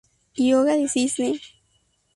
Hyōga de Cisne